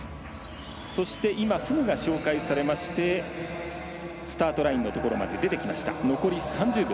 そして、フグが紹介されましてスタートラインのところまで出てきました。